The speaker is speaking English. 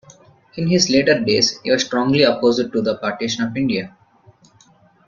In his later days, he was strongly opposed to the partition of India.